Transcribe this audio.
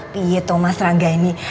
gitu mas rangga ini